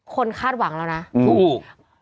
คนคาดหวังแล้วนะอืม